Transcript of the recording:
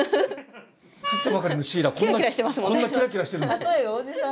釣ったばかりのシイラこんなキラキラしてるんですよ。